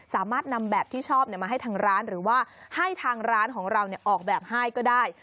สามารถนำแบบที่ชอบมาให้ทางร้านหรือว่าให้ทางร้านของเราออกแบบให้ก็ได้